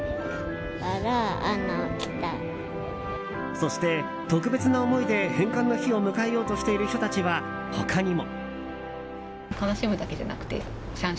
そして、特別な思いで返還の日を迎えようとしている人たちは他にも。